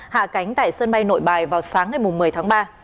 hạ cánh tại sân bay nội bài vào sáng ngày một mươi tháng ba